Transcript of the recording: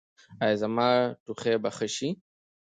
ایا زما ټوخی به ښه شي؟